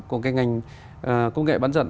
của ngành công nghệ bán dẫn